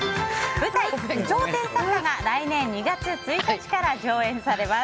舞台「有頂天作家」が来年２月１日から上演されます。